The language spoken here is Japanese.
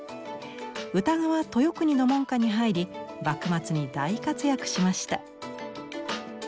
歌川豊国の門下に入り幕末に大活躍しました。